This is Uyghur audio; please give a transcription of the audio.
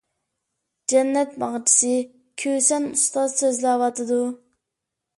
«جەننەت باغچىسى»، كۈسەن ئۇستاز سۆزلەۋاتىدۇ.